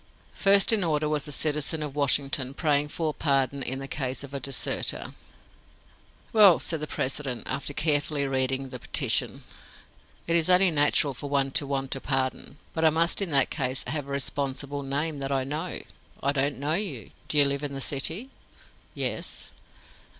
First in order was a citizen of Washington, praying for pardon in the case of a deserter. "Well," said the President, after carefully reading the petition, "it is only natural for one to want pardon; but I must in that case have a responsible name that I know. I don't know you. Do you live in the city?" "Yes."